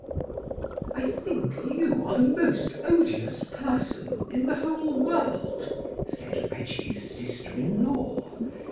"I think you are the most odious person in the whole world," said Reggie's sister in law.